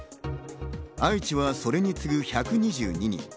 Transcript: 愛知はそれに次ぐ１２２人。